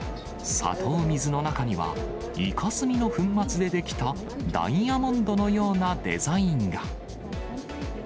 砂糖水の中には、イカ墨の粉末で出来たダイヤモンドのようなデザインが。